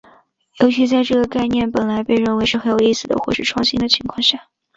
尤其在这个概念本来被认为是很有意思的或是创新的情况下。